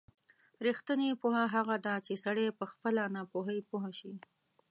رښتینې پوهه هغه ده چې سړی په خپله ناپوهۍ پوه شي.